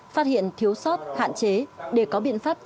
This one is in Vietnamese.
phát hiện thiếu sót hạn chế để có biện pháp chấn chỉnh